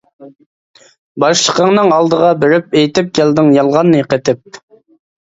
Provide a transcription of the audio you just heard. باشلىقىڭنىڭ ئالدىغا بېرىپ، ئېيتىپ كەلدىڭ يالغاننى قېتىپ.